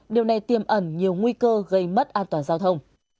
điều này tiêm ẩn nhiều nguy cơ gây mất an toàn giao thông